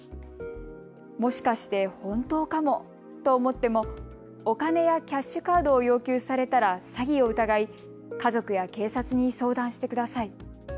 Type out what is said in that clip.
もしかして本当かもと思ってもお金やキャッシュカードを要求されたら詐欺を疑い家族や警察に相談してください。